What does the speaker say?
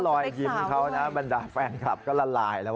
รอยยิ้มเขานะบรรดาแฟนคลับก็ละลายแล้ว